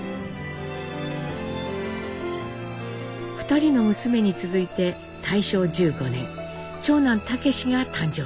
２人の娘に続いて大正１５年長男武が誕生します。